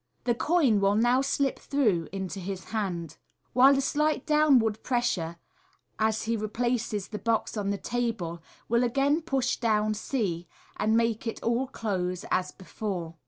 The coin will now slip through into his hntid, while a slight downward pressure as he replaces the box on the table will again push down c, and make all close as before.